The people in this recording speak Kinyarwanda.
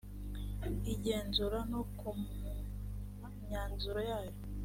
igenzura no ku myanzuro yayo